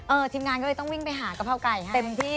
ทีมงานก็เลยต้องวิ่งไปหากะเพราไก่ให้เต็มที่